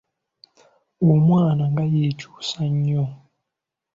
Omwana nga yeekyusa nnyo!